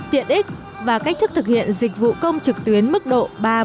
tiện ích và cách thức thực hiện dịch vụ công trực tuyến mức độ ba bốn